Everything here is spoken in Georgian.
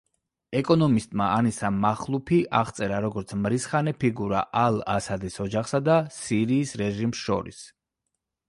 ეკონომისტმა ანისა მახლუფი აღწერა, როგორც „მრისხანე ფიგურა“ ალ-ასადის ოჯახსა და სირიის რეჟიმს შორის.